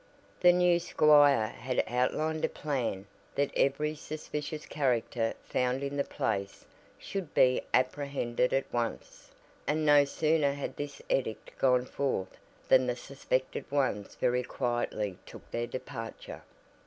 The new squire had outlined a plan that every suspicious character found in the place should be apprehended at once, and no sooner had this edict gone forth than the suspected ones very quietly took their departure.